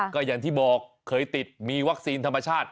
ก็อย่างที่บอกเคยติดมีวัคซีนธรรมชาติ